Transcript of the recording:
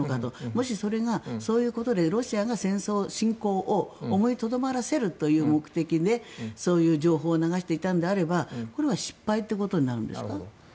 もし、それがそういうことでロシアに侵攻を思いとどまらせるという目的でそういう情報を流していたのであればこれは失敗ということになるんですか？